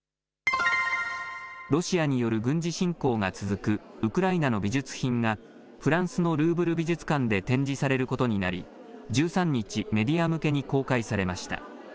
ロシアによる軍事侵攻が続くウクライナの美術品が、フランスのルーブル美術館で展示されることになり、１３日、メディア向けに公開されました。